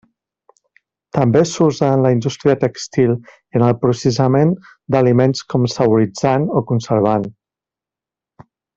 També s’usa en la indústria tèxtil i en el processament d’aliments com saboritzant o conservant.